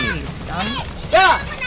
ini yang menakutin kita